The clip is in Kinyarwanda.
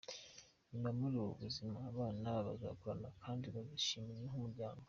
Nyuma muri ubu buzima, abana bazakurana kandi bazishima nk’umuryango.